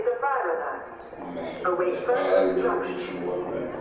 Tmeḥqeḍ iqerra n lewḥuc n waman.